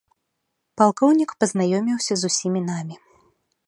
Палкоўнік пазнаёміўся з усімі намі.